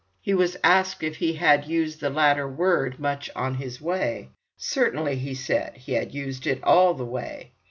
He was asked if he had used the latter word much on his way. Certainly, he said, he had used it all the way.